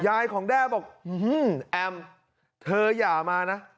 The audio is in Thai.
ยายของแด้บอกแอมเธออย่ามานะ